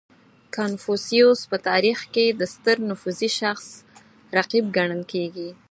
• کنفوسیوس په تاریخ کې د ستر نفوذي شخص رقیب ګڼل کېږي.